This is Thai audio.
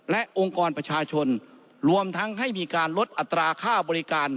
และองค์กรประชาชนรวมทั้งให้มีการลดอัตราค่าบริการ